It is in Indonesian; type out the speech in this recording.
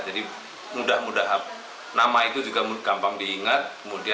jadi mudah mudahan nama itu juga mudah gampang diingat